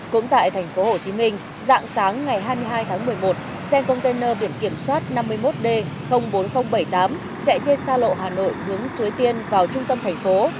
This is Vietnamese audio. cũng tại tp hcm dạng sáng ngày hai mươi hai tháng một mươi một xe container biển kiểm soát năm mươi một d bốn nghìn bảy mươi tám chạy trên xa lộ hà nội hướng suối tiên vào trung tâm thành phố